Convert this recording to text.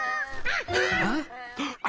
あっ。